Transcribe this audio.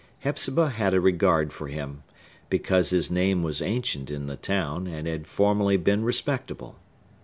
Hepzibah had a regard for him, because his name was ancient in the town and had formerly been respectable.